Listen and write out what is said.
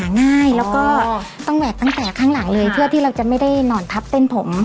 ง่ายแล้วก็ต้องแหวกตั้งแต่ข้างหลังเลยเพื่อที่เราจะไม่ได้นอนทับเส้นผม